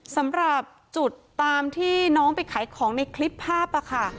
สำหรับจุดตามที่น้องไปขายของในคลิปภาพค่ะ